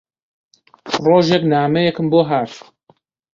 ڕۆژێک نامەیەکم بۆ هات